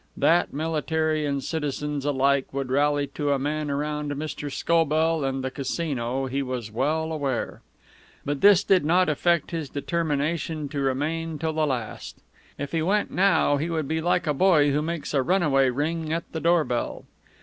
That military and civilians alike would rally to a man round Mr. Scobell and the Casino he was well aware. But this did not affect his determination to remain till the last. If he went now, he would be like a boy who makes a runaway ring at the doorbell.